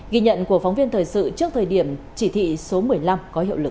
ghi nhận của phóng viên thời sự trước thời điểm chỉ thị số một mươi năm có hiệu lực